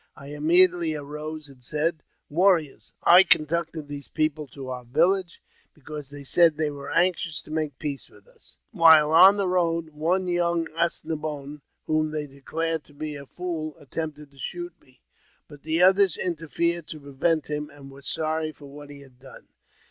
I immediately arose and said, " Warriors ! I conducted these people to our village because they said they were anxious to make peace with us. While on JAMES P. BECKWOUBTH. 255 the road, one young As ne boine, whom they declared to be a fool, attempted to shoot me, but the others interfered to pre vent hmi, and were sorry for what he had done.